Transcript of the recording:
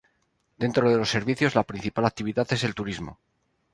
Dentro de los servicios la principal actividad es el turismo.